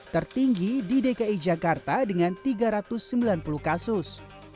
tertinggi di dki jakarta dengan tiga ratus sembilan puluh kasus